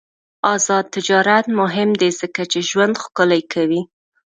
آزاد تجارت مهم دی ځکه چې ژوند ښکلی کوي.